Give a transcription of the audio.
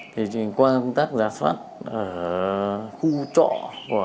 thì qua công tác giả soát ở khu trọ của